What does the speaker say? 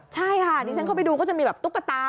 ใช่ค่ะดิฉันเข้าไปดูก็จะมีแบบตุ๊กตา